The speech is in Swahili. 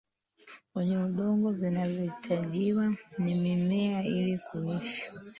kwenye udongo vinavyohitajiwa na mimea ili kuishi